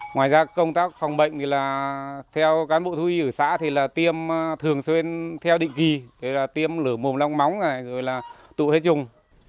ngoài ra công tác phòng bệnh thì là theo cán bộ thú y ở xã thì là tiêm thường xuyên theo định kỳ thì là tiêm lửa mồm long móng rồi là tụ hết chung